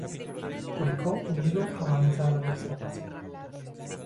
Curicó Unido avanza a la tercera fase.